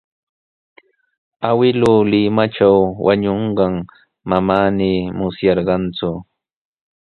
Awkilluu Limatraw wañunqan manami musyarqaaku.